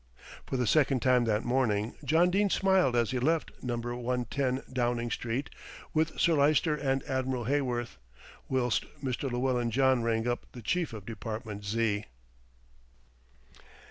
For the second time that morning John Dene smiled as he left No. 110, Downing Street, with Sir Lyster and Admiral Heyworth, whilst Mr. Llewellyn John rang up the chief of Department Z.